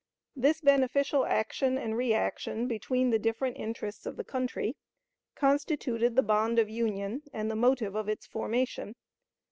This beneficial action and reaction between the different interests of the country constituted the bond of union and the motive of its formation.